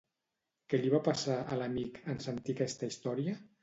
Què li va passar, a l'amic, en sentir aquesta història?